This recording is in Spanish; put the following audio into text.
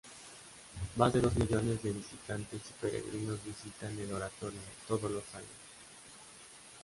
Más de dos millones de visitantes y peregrinos visitan el Oratorio todos los años.